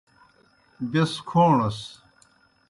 بیْس کھوݨَس۔